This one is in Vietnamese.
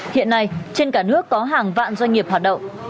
hiện nay trên cả nước có hàng vạn doanh nghiệp hoạt động